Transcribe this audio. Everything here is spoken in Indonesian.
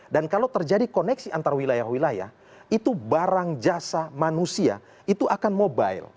dan kalau terjadi koneksi antar wilayah wilayah itu barang jasa manusia itu akan mobile